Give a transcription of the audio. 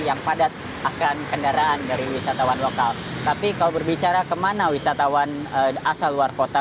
yang padat akan kendaraan dari wisatawan lokal tapi kalau berbicara kemana wisatawan asal luar kota